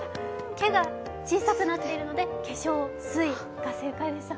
けが小さくなっているので化粧水が正解でした。